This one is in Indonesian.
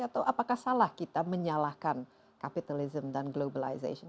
atau apakah salah kita menyalahkan kapitalism dan globalization